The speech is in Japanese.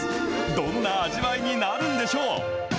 どんな味わいになるんでしょう。